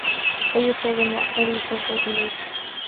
أي سرّ يعتري شوقي إليك